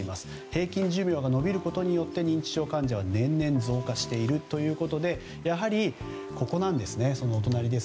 平均寿命が延びることによって認知症患者が年々増加しているということでやはり、ここなんですね。